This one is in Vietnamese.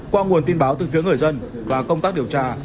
qua nguồn tin báo từ phía người dân và công tác điều tra